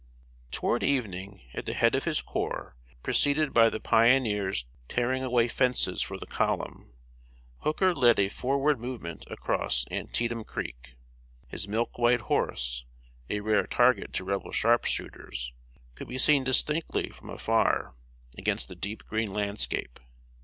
] Toward evening, at the head of his corps, preceded by the pioneers tearing away fences for the column, Hooker led a forward movement across Antietam Creek. His milk white horse, a rare target to Rebel sharpshooters, could be seen distinctly from afar against the deep green landscape.